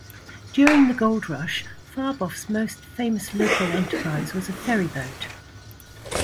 During the Gold Rush, Firebaugh's most famous local enterprise was a ferry boat.